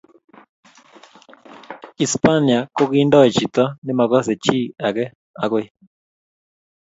Hispania kokiindoi chito ne makase chi ake akoi